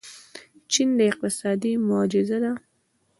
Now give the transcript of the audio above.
چین اقتصادي معجزه ده.